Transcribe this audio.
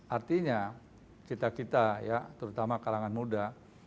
artinya kita kita ya terutama kalangan muda